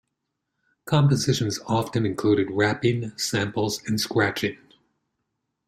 Compositions often included rapping, samples and scratching.